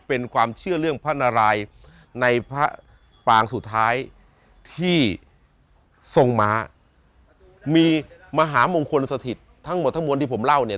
เป็นความเชื่อเรื่องพระนารายในพระปางสุดท้ายที่ทรงม้ามีมหามงคลสถิตทั้งหมดทั้งมวลที่ผมเล่าเนี่ย